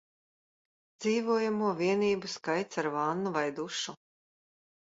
Dzīvojamo vienību skaits ar vannu vai dušu